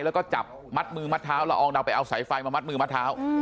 แล้วก็จับมัดมือมัดเท้าละอองดาวไปเอาสายไฟมามัดมือมัดเท้า